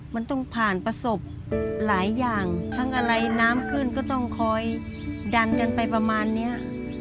มันต้องผ่านประสบหลายอย่างทั้งอะไรน้ำขึ้นก็ต้องคอยดันกันไปประมาณเนี้ย